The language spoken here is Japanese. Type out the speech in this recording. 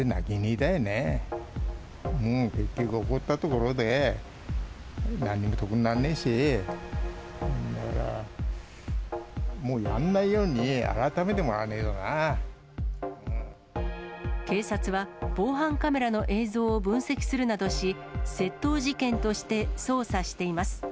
だから、もうやんないように、警察は防犯カメラの映像を分析するなどし、窃盗事件として捜査しています。